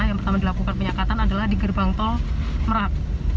yang pertama dilakukan penyekatan adalah di gerbang tol merak